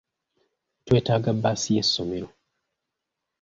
Twetaaga bbaasi y'essomero.